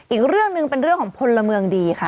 อีกเรื่องหนึ่งเป็นเรื่องของพลเมืองดีค่ะ